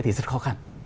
thì rất khó khăn